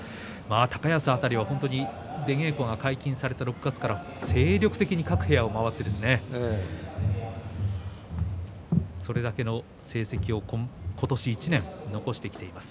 高安辺りは出稽古解禁された６月から精力的に各部屋を回ってそれだけの成績を今年１年残してきています。